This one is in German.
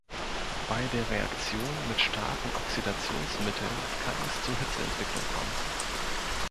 Bei der Reaktion mit starken Oxidationsmitteln kann es zu Hitzeentwicklung kommen.